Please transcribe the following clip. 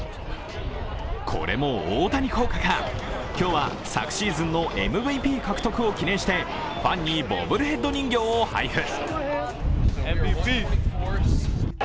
これも大谷効果か、今日は昨シーズンのＭＶＰ獲得を記念してファンにボブルヘッド人形を配布。